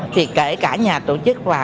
thì kể cả nhà tổ chức và